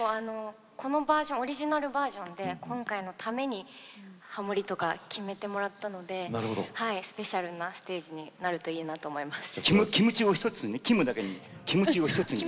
オリジナルバージョンで今回のためにハモリとか決めてもらいましたのでスペシャルなステージになるといいなと思います。